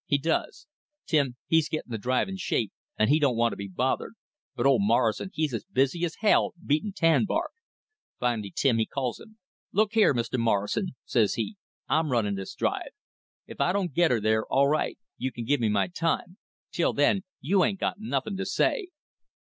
He does. Tim he's getting the drive in shape, and he don't want to be bothered, but old Morrison he's as busy as hell beatin' tan bark. Finally Tim, he calls him. "'Look here, Mr. Morrison,' says he, 'I'm runnin' this drive. If I don't get her there, all right; you can give me my time. 'Till then you ain't got nothin' to say.'